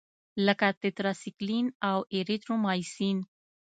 لکه ټیټرایسایکلین او اریترومایسین.